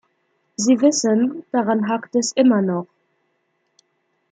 Sie wissen, daran hakt es immer noch.